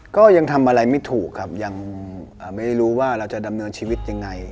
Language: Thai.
ก็ยังทำอะไรไม่ถูกครับยังไม่รู้ว่าเราจะดำเนินชีวิตยังไง